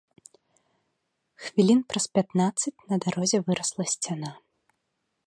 Хвілін праз пятнаццаць на дарозе вырасла сцяна.